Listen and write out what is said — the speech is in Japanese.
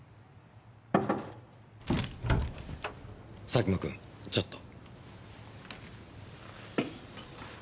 佐久間君ちょっと。